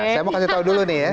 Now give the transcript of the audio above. saya mau kasih tahu dulu nih ya